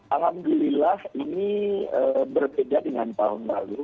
alhamdulillah ini berbeda dengan tahun lalu